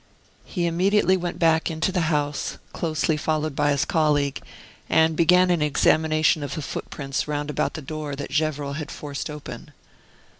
He immediately went back into the house, closely followed by his colleague, and began an examination of the footprints round about the door that Gevrol had forced open.